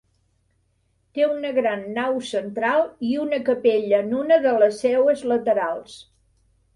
Té una gran nau central i una capella en una de les seues laterals.